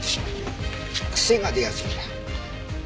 癖が出やすいんだ。